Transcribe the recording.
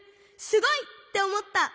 すごい！」っておもった！